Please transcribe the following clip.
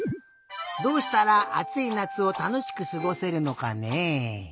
どうしたらあついなつをたのしくすごせるのかね。